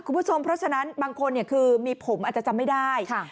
คุณผู้ชมเพราะฉะนั้นบางคนเนี่ยคือมีผมอาจจะจำไม่ได้